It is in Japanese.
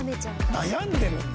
悩んでるんだ。